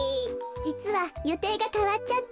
じつはよていがかわっちゃって。